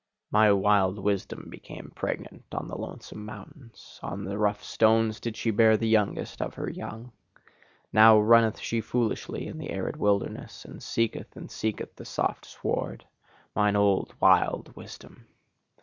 My wild wisdom became pregnant on the lonesome mountains; on the rough stones did she bear the youngest of her young. Now runneth she foolishly in the arid wilderness, and seeketh and seeketh the soft sward mine old, wild wisdom!